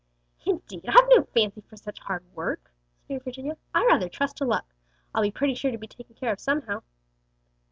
"Indeed, I've no fancy for such hard work," sneered Virginia. "I'd rather trust to luck. I'll be pretty sure to be taken care of somehow."